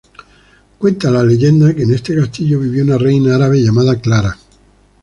Cuenta la leyenda que en este castillo vivía una reina árabe llamada Clara.